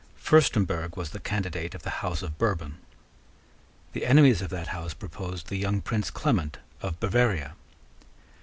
Furstemburg was the candidate of the House of Bourbon. The enemies of that house proposed the young Prince Clement of Bavaria.